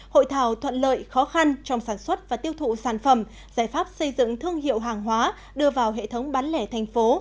hội thảo thuận lợi khó khăn trong sản xuất và tiêu thụ sản phẩm giải pháp xây dựng thương hiệu hàng hóa đưa vào hệ thống bán lẻ thành phố